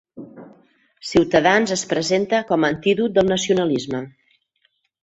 Ciutadans es presenta com a antídot del nacionalisme.